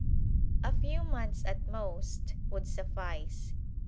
A few months, at most, would suffice.